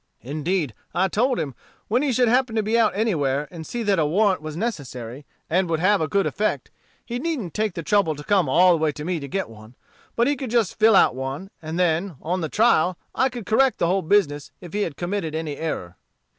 Indeed, I told him, when he should happen to be out anywhere, and see that a warrant was necessary, and would have a good effect, he needn't take the trouble to come all the way to me to get one, but he could just fill out one; and then, on the trial, I could correct the whole business if he had committed any error.